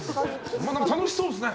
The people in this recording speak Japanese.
楽しそうですね。